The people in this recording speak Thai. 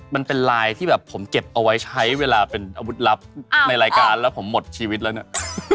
มันเป็นลายที่แบบผมเก็บเอาไว้ใช้เวลาเป็นอาวุธลับในรายการแล้วผมหมดชีวิตแล้วเนี่ย